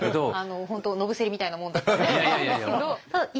本当野伏みたいなもんだったんで。